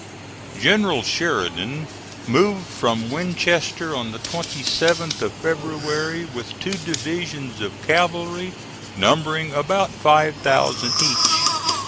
General Sheridan moved from Winchester on the 27th of February, with two divisions of cavalry, numbering about five thousand each.